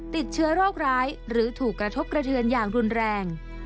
ติดเชื้อโรคร้ายหรือถูกกระทบกระเทือนอย่างรุนแรง